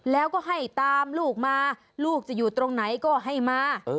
แล้วก็ให้ตามลูกมาลูกจะอยู่ตรงไหนก็ให้มา